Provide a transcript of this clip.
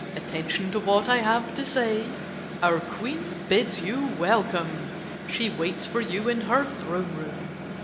Attention to what I have to say ! Our Queen bids you welcome. She waits for you in her throne room.